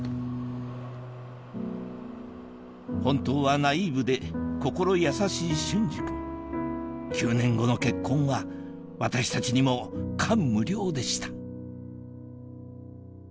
本当はナイーブで心優しい隼司君９年後の結婚は私たちにも感無量でした